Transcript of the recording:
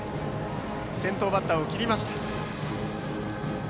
先頭バッターを切りました。